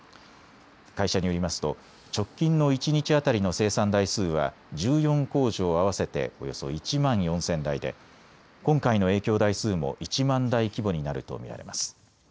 会社によりますと直近の一日当たりの生産台数は１４工場合わせておよそ１万４０００台で今回の影響台数も１万台規模になると見られます。